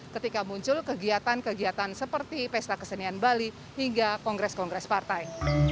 ketika muncul kegiatan kegiatan seperti pesta kesenian bali hingga kongres kongres partai